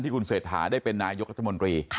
ที่คุณเสธหาได้เป็นนายกรัฐมนตรี